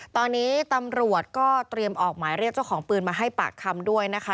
ตอนนี้ตำรวจก็เตรียมออกหมายเรียกเจ้าของปืนมาให้ปากคำด้วยนะคะ